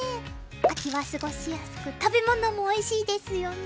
秋は過ごしやすく食べ物もおいしいですよね。